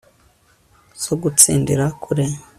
zo gutsindira kure